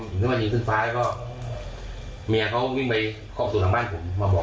เมียเขาวิ่งไปเข้าไปสู่ถ้างบ้านผมมาบอกว่าแฟนก็ตายแล้ว